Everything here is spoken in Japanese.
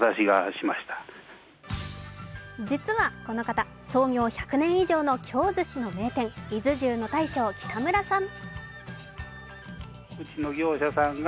実はこの方、創業１００年以上の京ずしの名店、いづ重の大将・北村さん。